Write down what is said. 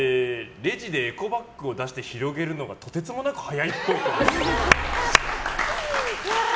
レジでエコバッグを出して広げるのがとてつもなく速いっぽい。